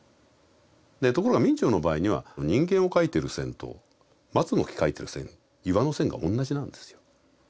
ところが明兆の場合には人間を描いてる線と松の木描いてる線岩の線が同じなんですよ。